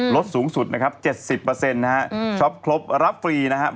ลดสูงสุดนะครับ๗๐นะฮะช็อปครบรับฟรีนะครับ